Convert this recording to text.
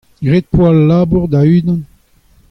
Graet az poa al labour da-unan.